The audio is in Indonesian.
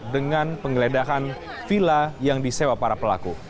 dengan pengeledahan vila yang disewa para pelaku